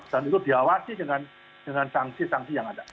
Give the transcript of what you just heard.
dan itu diawasi dengan sanksi sanksi yang ada